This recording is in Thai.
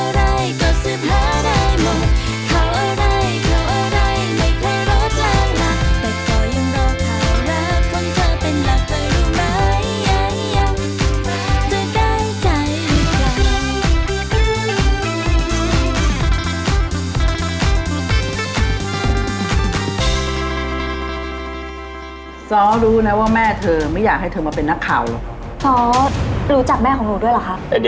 คนเธอเป็นรักเธอรู้ไหม